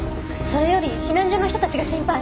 それより避難所の人たちが心配！